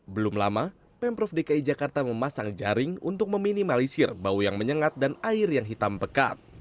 belum lama pemprov dki jakarta memasang jaring untuk meminimalisir bau yang menyengat dan air yang hitam pekat